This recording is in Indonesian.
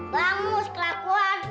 bang mus kelakuan